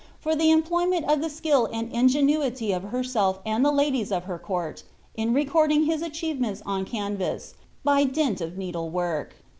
for iho employmeDt of the skill sad ingeuuiij of beneir and the ladie* of tier court, in reconliug his ftchievemenis on CanTass by dint of needlework.